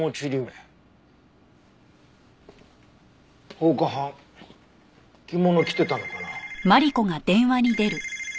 放火犯着物着てたのかな？